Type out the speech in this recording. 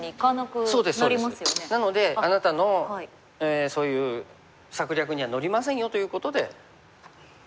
なので「あなたのそういう策略には乗りませんよ」ということで。